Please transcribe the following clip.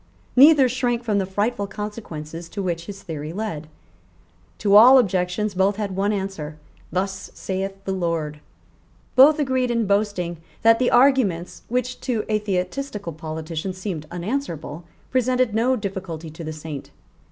Neither shrank from the frightful consequences to which his theory led. To all objections both had one answer, Thus saith the Lord. Both agreed in boasting that the arguments which to atheistical politicians seemed unanswerable presented no difficulty to the Saint.